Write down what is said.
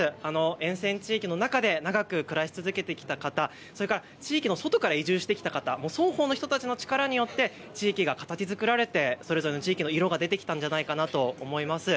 沿線地域の中で長く暮らし続けてきた方、それから地域の外から移住してきた方、双方の人たちの力によって地域が形づくられてそれぞれの地域の色が出てきたんじゃないかなと思います。